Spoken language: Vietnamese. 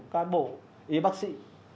cán bộ y bác sĩ